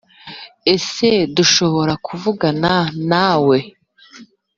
ese dushobora kuvugana na we